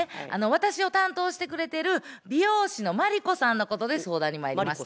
私を担当してくれてる美容師のマリコさんのことで相談にまいりました。